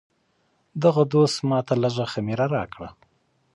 دغه دوست ماته لږه خمیره راکړه.